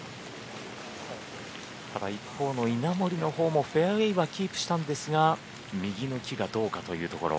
ただ、一方の稲森のほうもフェアウエーはキープしたんですが右の木がどうかというところ。